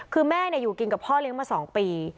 คือแม่อยู่กินกับพ่อเลี้ยงมา๒ปี